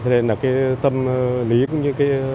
nên tâm lý cũng như